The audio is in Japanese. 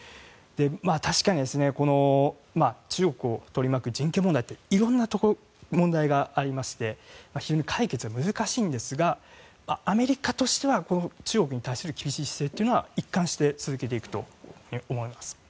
確かに中国を取り巻く人権問題って色々な問題がありまして非常に解決が難しいんですがアメリカとしては中国に対する厳しい姿勢というのは一貫して続けていくと思います。